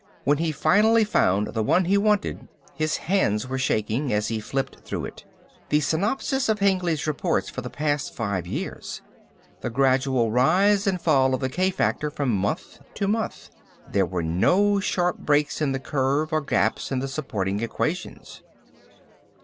When he finally found the one he wanted his hands were shaking as he flipped through it. The synopsis of Hengly's reports for the past five years. The gradual rise and fall of the k factor from month to month. There were no sharp breaks in the curve or gaps in the supporting equations.